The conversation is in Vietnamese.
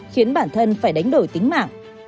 khiến bản thân phải đánh đổi tính mạng